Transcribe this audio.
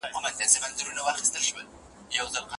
لارښود تر نورو ډېره خپلواکي شاګرد ته ورکوي.